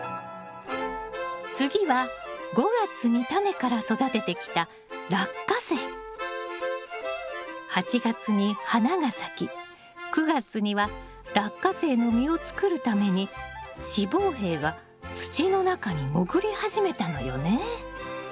次は５月にタネから育ててきた８月に花が咲き９月にはラッカセイの実を作るために子房柄が土の中に潜り始めたのよね。